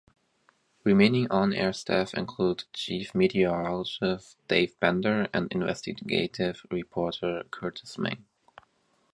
Remaining on-air staff include chief meteorologist Dave Bender and investigative reporter Kurtis Ming.